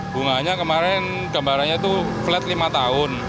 bunganya kemarin gambarannya itu flat lima tahun